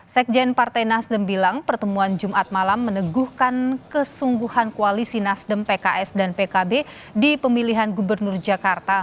sekjen partai nasdem bilang pertemuan jumat malam meneguhkan kesungguhan koalisi nasdem pks dan pkb di pemilihan gubernur jakarta